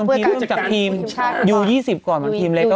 ทีมจะกลับทีมยู๒๐ก่อนเหมือนทีมเล็ก